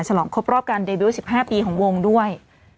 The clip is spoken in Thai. ฉลองครบรอบการเดวิว๑๕ปีของวงด้วย